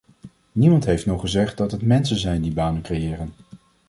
Niemand heeft nog gezegd dat het mensen zijn die banen creëren.